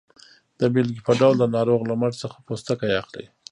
د بیلګې په ډول د ناروغ له مټ څخه پوستکی اخلي.